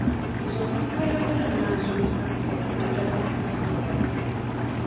Nze omuntu ayogera nga nsomesa mpulira nga njagala kumukuba.